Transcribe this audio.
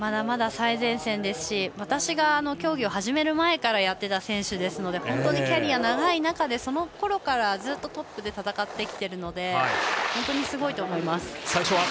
まだ最前線ですし私が競技を始める前からやってた選手ですので本当にキャリアが長い中でそのころから、ずっとトップで戦ってきているので本当にすごいと思います。